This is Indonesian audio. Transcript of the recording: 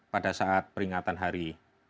pada saat peringatan hari